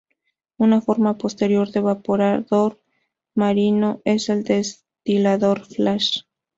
Una forma posterior de evaporador marino es el destilador flash.